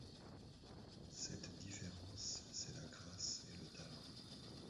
Cette différence, c'est la grâce et le talent.